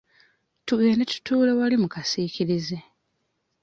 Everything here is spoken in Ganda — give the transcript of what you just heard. Tugende tutuule wali mu kasiikirize.